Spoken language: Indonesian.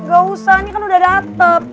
gak usah ini kan udah atap